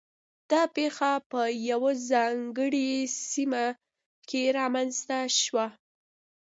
دا پېښه په یوه ځانګړې سیمه کې رامنځته شوه.